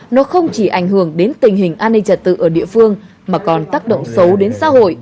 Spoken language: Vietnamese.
nó không chỉ ảnh hưởng đến tình hình an ninh trật tự ở địa phương mà còn tác động xấu đến xã hội